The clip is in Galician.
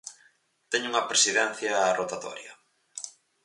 Teñen unha presidencia rotatoria.